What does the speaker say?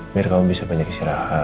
biar kamu bisa banyak istirahat